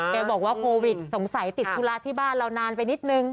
บอกว่าโควิดสงสัยติดธุระที่บ้านเรานานไปนิดนึง